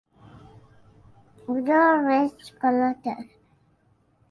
উদর বেশ গোলাকার।